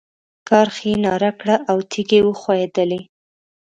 کارغې ناره کړه او تيږې وښوېدلې.